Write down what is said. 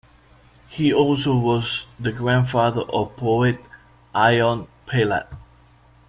He also was the grandfather of poet Ion Pillat.